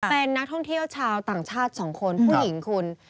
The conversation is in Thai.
เป็นนักท่องเที่ยวชาวต่างชาติ๒คนผู้หญิงคุณ